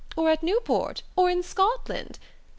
or at Newport... or in Scotland